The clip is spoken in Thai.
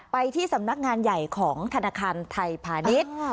ไปที่สำนักงานใหญ่ของธนาคารไทยพาณิชย์